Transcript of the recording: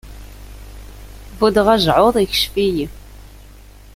Buddeɣ ajɛuḍ, ikcef-iyi.